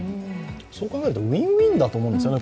そう考えるとＷｉｎ−Ｗｉｎだと思うんですよね